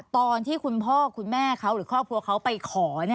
ตอนที่คุณพ่อคุณแม่เขาหรือครอบครัวเขาไปขอ